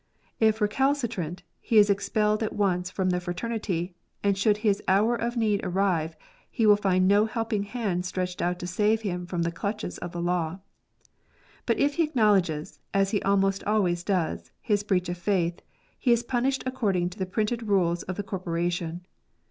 If recalcitrant, he is expelled at once from the fraternity, and should his hour of need arrive he will find no helping hand stretched out to save him from the clutches of the law. But if he acknowledges, as he almost always does, his breach of faith, he is punished according to the printed rules of the corporation.